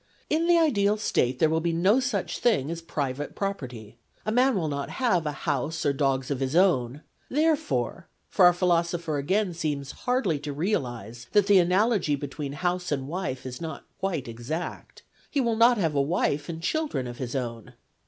In the ideal State there will be no such thing as private property : a man will not have a house or dogs of his own, therefore (for our philosopher again seems PLATO 175 hardly to realise that the analogy between house and wife is not quite exact), he will not have a wife and children of his own.